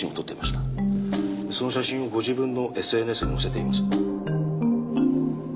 その写真をご自分のＳＮＳに載せています。